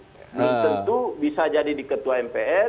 dan tentu bisa jadi di ketua mpr